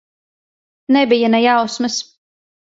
Nebija ne jausmas.